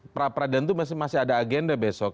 pradana itu masih ada agenda besok